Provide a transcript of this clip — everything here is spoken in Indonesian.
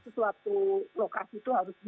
sesuatu lokasi itu harus